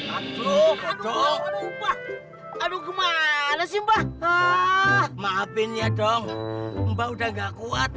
aduh aduh aduh aduh aduh maafin ya dong udah nggak kuat